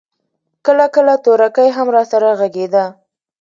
کله کله تورکى هم راسره ږغېده.